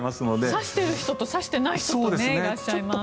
差してる人と差してない人がいらっしゃいます。